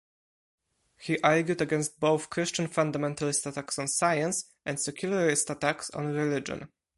He argued against both Christian fundamentalist attacks on science and secularist attacks on religion.